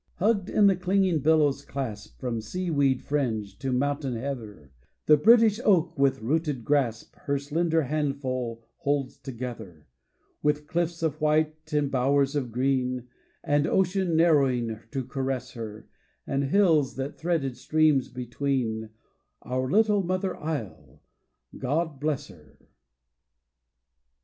Hugged in the clinging billow's clasp, From sea weed fringe to mountain heather, The British oak with rooted grasp Her slender handful holds together; With cliffs of white and bowers of green, And Ocean narrowing to caress her, And hills and threaded streams between; Our little mother isle, God bless her!